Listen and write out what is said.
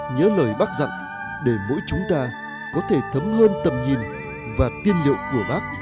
nhớ lời bác dặn để mỗi chúng ta có thể thấm hơn tầm nhìn và tiên liệu của bác